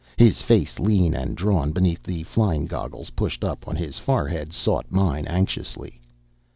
His face, lean and drawn beneath the flying goggles pushed up on his forehead, sought mine anxiously.